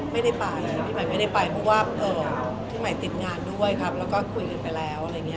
ไม่ได้ไปพี่ใหม่ไม่ได้ไปเพราะว่าพี่ใหม่ติดงานด้วยครับแล้วก็คุยกันไปแล้วอะไรอย่างนี้